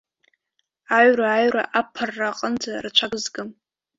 Аҩра, аҩра, аԥырра аҟынӡа рацәак згым!